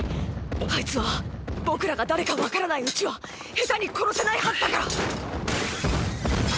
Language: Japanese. あいつは僕らが誰か分からないうちはヘタに殺せないはずだから。